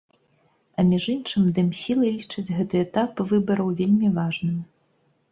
А між іншым, дэмсілы лічаць гэты этап выбараў вельмі важным.